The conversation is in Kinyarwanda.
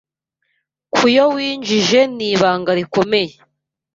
kuyo winjije ni ibanga rikomeye